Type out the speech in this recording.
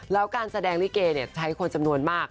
แล้วการแสดงลิเกจะเป็นคนที่จำนวนมาก